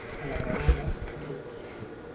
A la Granada, rucs.